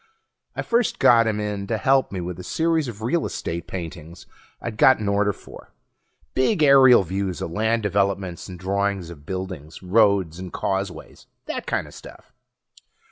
I first got him in to help me with a series of real estate paintings I'd got an order for. Big aerial views of land developments, and drawings of buildings, roads and causeways, that kinda stuff.